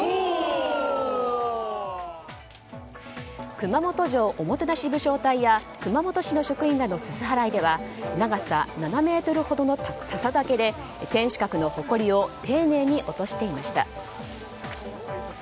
熊本城おもてなし武将隊や熊本市の職員らのすす払いでは長さ７ｍほどの笹竹で天守閣のほこりを丁寧に落としていました。